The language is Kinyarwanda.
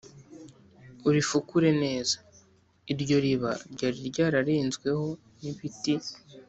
urifukure neza." iryo riba ryari ryararenzweho n' ibiti,